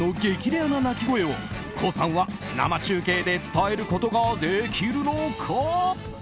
レアな鳴き声をＫＯＯさんは生中継で伝えることができるのか？